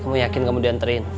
kamu yakin kamu diantriin